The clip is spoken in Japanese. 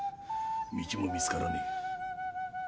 道も見つからねえ。